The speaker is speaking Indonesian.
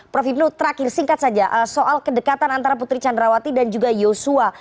prof ibnu terakhir singkat saja soal kedekatan antara putri candrawati dan juga yosua